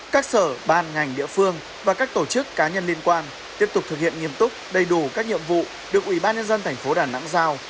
các sở ban ngành địa phương và các tổ chức cá nhân liên quan tiếp tục thực hiện nghiêm túc đầy đủ các nhiệm vụ được ủy ban nhân dân tp đà nẵng giao